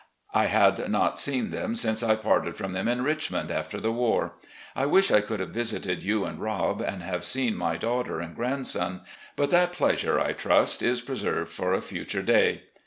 I had not seen them since I parted from them in Richmond after the war. I wish I could have visited you and Rob and have seen my daughter and grandson; but that pleasure, I trust, is preserved for a future day.